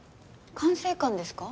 管制官ですか？